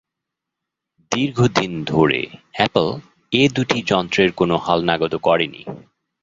দীর্ঘদিন ধরে অ্যাপল এ দুটি যন্ত্রের কোনো হালনাগাদও করেনি।